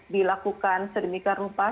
dilakukan sedemikian rupa